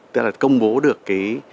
tức là công bố được cái